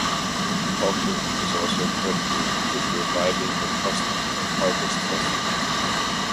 Hawker is also credited with reviving the custom of Harvest Festivals.